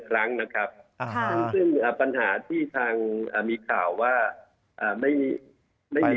คนที่๔อยู่สุทธิพย์คนที่๔อยู่สุทธิพย์